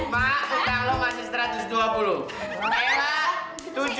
mak hutang lo masih satu ratus dua puluh